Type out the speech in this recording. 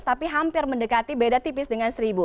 tapi hampir mendekati beda tipis dengan seribu